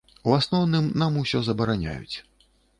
У асноўным нам усё забараняюць.